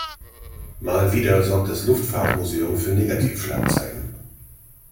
Mal wieder sorgt das Luftfahrtmuseum für Negativschlagzeilen.